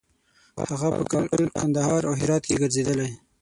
هغه په کابل، کندهار او هرات کې ګرځېدلی.